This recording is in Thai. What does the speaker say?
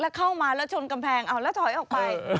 แล้วเข้ามาแล้วชนกำแพงเอาแล้วถอยออกไป